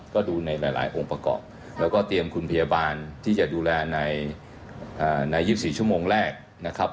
ก็ดูในหลายองค์ประกอบแล้วก็เตรียมคุณพยาบาลที่จะดูแลใน๒๔ชั่วโมงแรกนะครับ